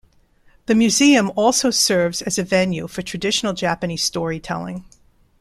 The museum also serves as a venue for traditional Japanese storytelling.